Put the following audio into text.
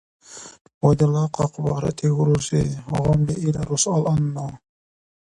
– Ва дила къакъба, ратигу рузи, гъамли ил русалъанну.